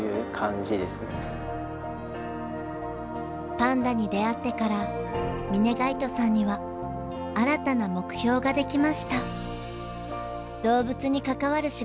パンダに出会ってから峯垣外さんには新たな目標が出来ました。